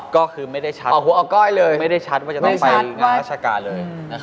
อ๋อก็คือไม่ได้ชัดไม่ได้ชัดว่าจะต้องไปงานราชการเลย